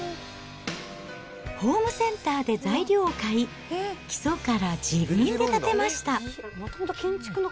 ホームセンターで材料を買い、基礎から自分で建てました。